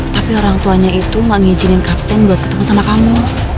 tapi orang tuanya itu gak ngizinin kapten buat ketemu sama kamu